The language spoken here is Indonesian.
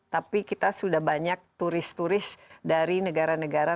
tapi kita sudah banyak turis turis dari negara negara